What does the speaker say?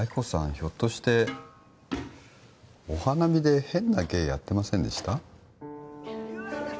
ひょっとしてお花見で変な芸やってませんでした？